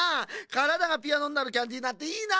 からだがピアノになるキャンディーなんていいな。